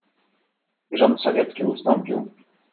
"I rząd sowiecki ustąpił."